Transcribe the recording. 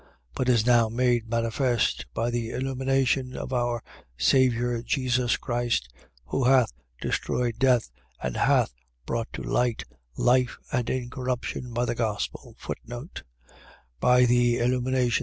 But is now made manifest by the illumination of our Saviour Jesus Christ, who hath destroyed death and hath brought to light life and incorruption by the gospel. By the illumination.